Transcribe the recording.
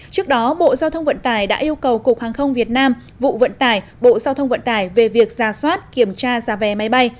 trước đó bộ giao thông vận tải đã yêu cầu cục hàng không việt nam vụ vận tải bộ giao thông vận tải về việc ra soát kiểm tra giá vé máy bay